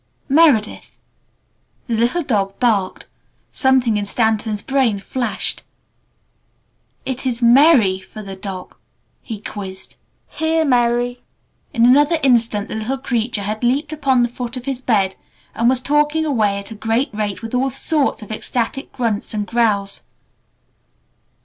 Meredith?" The little dog barked. Something in Stanton's brain flashed. "It is 'Merry' for the dog?" he quizzed. "Here, MERRY!" In another instant the little creature had leaped upon the foot of his bed, and was talking away at a great rate with all sorts of ecstatic grunts and growls.